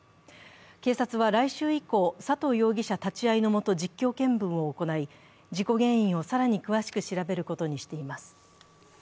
警察は来週以降、佐藤容疑者立ち会いのもと、実況見分を行い、事故原因を更に詳しく調べることにしています。